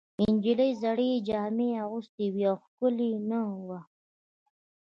نجلۍ زړې جامې اغوستې وې او ښکلې نه وه.